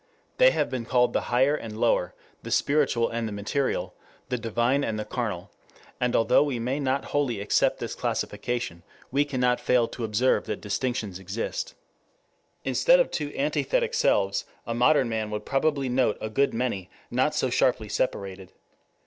They have been called the Higher and Lower, the Spiritual and the Material, the Divine and the Carnal; and although we may not wholly accept this classification, we cannot fail to observe that distinctions exist. Instead of two antithetic selves, a modern man would probably note a good many not so sharply separated.